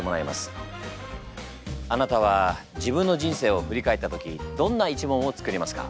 あなたは自分の人生を振り返った時どんな一問を作りますか？